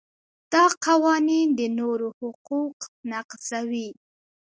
دا قوانین د نورو حقوق نقضوي.